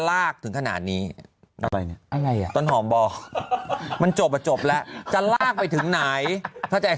จะลากถึงขนาดนี้เงี้ยต้นหอมบ่อมันจบแล้วจบแล้วจะลากไปถึงไหนถ้าแจ้ง